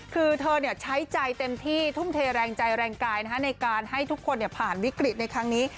คือเธอใช้ใจเต็มที่ทุ่มเทแรงใจแรงกายในการให้ทุกคนผ่านวิกฤตในครั้งนี้